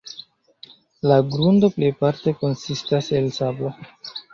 La grundo plejparte konsistas el sablo.